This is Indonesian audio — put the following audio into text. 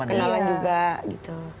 yang bisa kenalan juga gitu